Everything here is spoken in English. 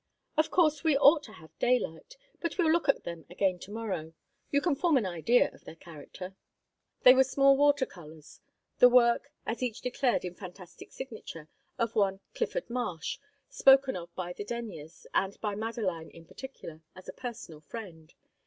"Of course, we ought to have daylight, but we'll look at them again to morrow. You can form an idea of their character." They were small water colours, the work as each declared in fantastic signature of one Clifford Marsh, spoken of by the Denyers, and by Madeline in particular, as a personal friend.